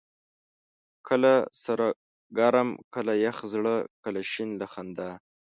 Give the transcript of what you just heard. کله سر ګرم ، کله يخ زړه، کله شين له خندا